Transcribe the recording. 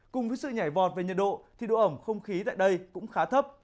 cùng với sự nhảy vọt về nhiệt độ thì độ ẩm không khí tại đây cũng khá thấp